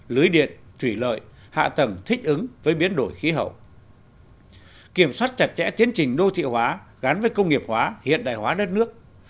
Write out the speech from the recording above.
tạo điều kiện thuận lợi cho việc hình thành và phát triển đô thị hóa gắn với công nghiệp hóa hiện đại hóa đất nước